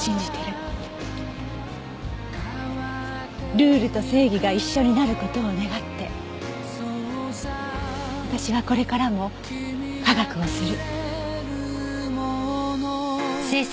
ルールと正義が一緒になる事を願って私はこれからも科学をする。